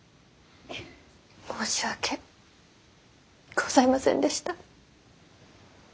申し訳ございませんでした。